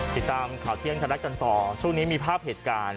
ติดตามข่าวเที่ยงไทยรัฐกันต่อช่วงนี้มีภาพเหตุการณ์